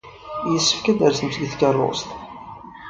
Yessefk ad d-tersemt seg tkeṛṛust.